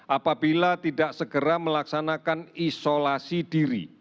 apabila tidak segera melaksanakan isolasi diri